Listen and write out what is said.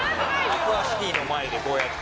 アクアシティの前でこうやって。